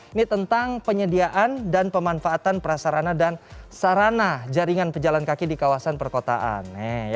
ini tentang penyediaan dan pemanfaatan prasarana dan sarana jaringan pejalan kaki di kawasan perkotaan